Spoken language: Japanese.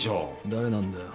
誰なんだよ？